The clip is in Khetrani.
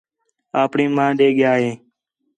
آپݨی ماں ݙے ڳِیا ہِے